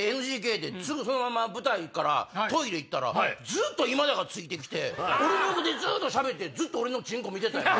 ＮＧＫですぐそのまま舞台からトイレ行ったらずっと今田がついて来て俺の横でずっとしゃべってずっと俺のチンコ見てたよな。